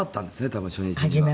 多分初日は。